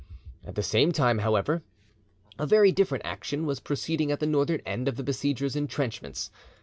At the same time, however, a very different action was proceeding at the northern end of the besiegers' intrenchments.